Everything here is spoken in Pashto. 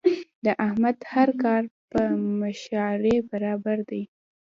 د احمد هر کار د په شرعه برابر دی.